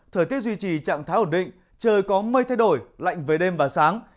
thời tiết duy trì trạng thái ổn định trời có mây thay đổi lạnh với đêm và sáng